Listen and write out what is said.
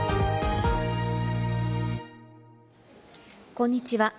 こんにちは。